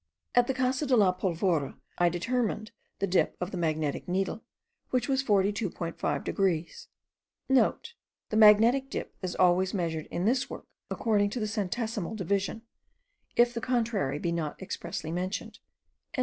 At the Casa de la Polvora I determined the dip of the magnetic needle, which was 42.5 degrees.* (* The magnetic dip is always measured in this work, according to the centesimal division, if the contrary be not expressly mentioned.)